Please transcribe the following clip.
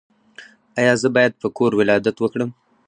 ایا زه باید په کور ولادت وکړم؟